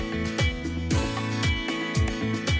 ไม่ได้